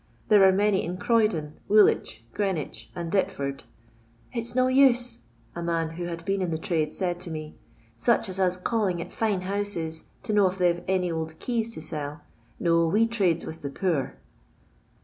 There are many in Croydon, Woolwich, Greenwich, and Deptford. " It 's no use," a man who had been in the trade said to me, " such as us calling at fine houses to know if they 'vc any old keys to sell ! No, we trades with the poor."